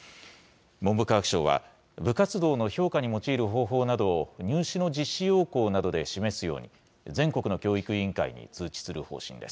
文部科学省は、部活動の評価に用いる方法などを入試の実施要項などで示すように、全国の教育委員会に通知する方針です。